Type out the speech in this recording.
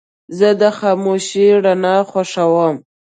زه د خاموشې رڼا خوښوم.